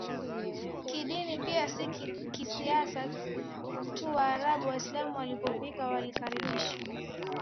kidini pia si kisiasa tu Waarabu Waislamu walipofika walikaribishwa